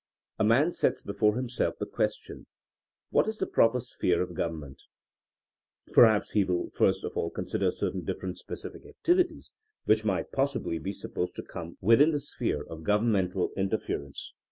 A man sets before himself the question, What is the proper sphere of Government T' .Perhaps he will first of all consider certain dif ferent specific activities which might possibly be supposed to come within the sphere of gov ernmental interference.